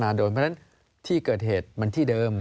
เพราะฉะนั้นที่เกิดเหตุมันที่เดิม